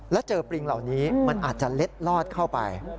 แล้วเจอปริงเหล่านี้มันอาจจะเล็ดลอดเข้าไป